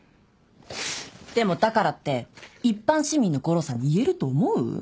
でもだからって一般市民の悟郎さんに言えると思う？